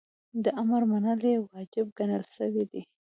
د امر منل یی واجب ګڼل سوی دی .